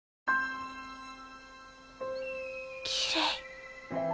きれい。